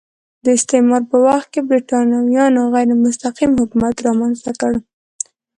د استعمار په وخت کې برېټانویانو غیر مستقیم حکومت رامنځته کړ.